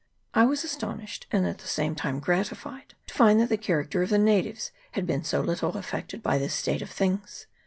I was astonished, and at the same time gratified, to find that the character of the natives had been so little affected by this state of things.